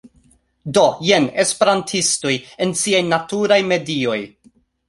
Do, jen esperantistoj... en siaj naturaj medioj